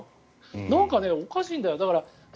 なんかおかしいんだよ。